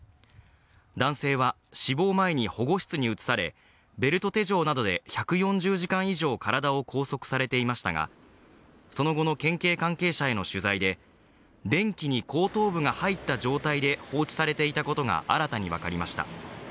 男性は死亡前に保護室に移され、ベルト手錠などで１４０時間以上体を拘束されていましたが、その後の県警関係者への取材で、便器に後頭部が入った状態で放置されていたことが新たに分かりました。